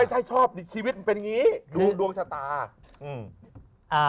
ไม่ใช่ชอบชีวิตมันเป็นอย่างนี้ดวงชะตา